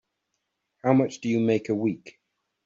How much do you make a week?